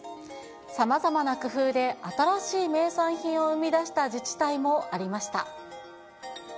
さまざまな工夫で新しい名産品を生み出した自治体もありました。